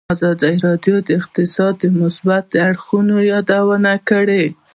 ازادي راډیو د اقتصاد د مثبتو اړخونو یادونه کړې.